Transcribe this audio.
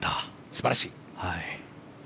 素晴らしい。